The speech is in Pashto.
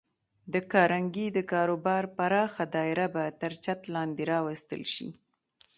د کارنګي د کاروبار پراخه دایره به تر چت لاندې راوستل شي